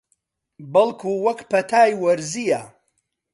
بەڵکوو وەک پەتای وەرزییە